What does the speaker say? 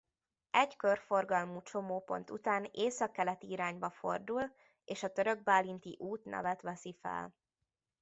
Egy körforgalmú csomópont után északkeleti irányba fordul és a Törökbálinti út nevet veszi fel.